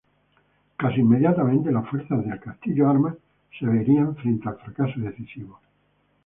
Casi inmediatamente, las fuerzas de Castillo Armas se veían frente al fracaso decisivo.